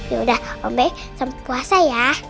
ya udah om baik selamat puasa ya